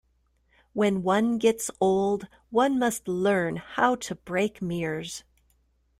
When one gets old, one must learn how to break mirrors.